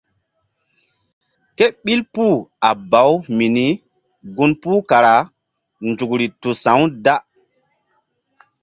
Ke ɓil puh a baw mini gun puhri kara nzukri tu sa̧-u da.